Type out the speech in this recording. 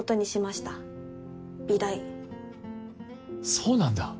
そうなんだ！